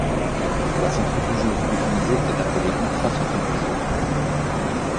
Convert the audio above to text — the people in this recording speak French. La centrifugeuse utilisée est appelée ultracentrifugeuse.